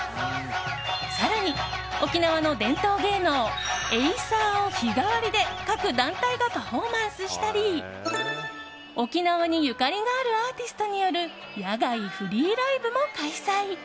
更に沖縄の伝統芸能エイサーを日替わりで各団体がパフォーマンスしたり沖縄にゆかりがあるアーティストによる野外フリーライブも開催。